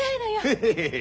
ヘヘヘヘヘ。